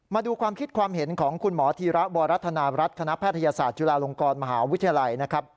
มาดูความคิดความเห็นของคุณหมอธีระวรัฐนารัฐคณะแพทยศาสตร์จุฬาลงกรมหาวิทยาลัยนะครับ